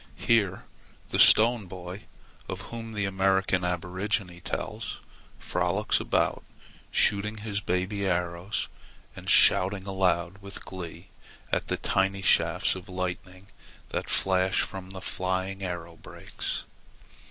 Here the Stone Boy, of whom the American aborigine tells, frolics about, shooting his baby arrows and shouting aloud with glee at the tiny shafts of lightning that flash from the flying arrow beaks.